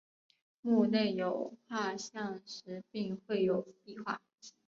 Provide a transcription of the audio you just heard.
墓内有画像石并绘有壁画。